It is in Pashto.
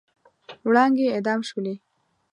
وړانګې اعدام شولې